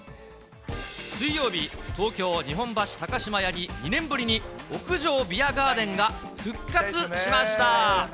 水曜日、東京・日本橋高島屋に２年ぶりに屋上ビアガーデンが復活しました。